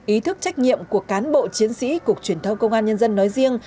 ý thức trách nhiệm của cán bộ chiến sĩ cục truyền thông công an nhân dân nói riêng